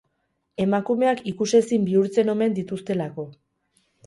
Emakumeak ikusezin bihurtzen omen dituztelako.